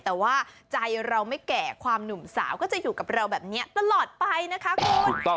แต่ว่าใจเราไม่แก่ความหนุ่มสาวก็จะอยู่กับเราแบบนี้ตลอดไปนะคะคุณ